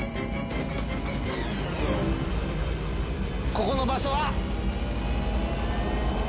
ここの場所は。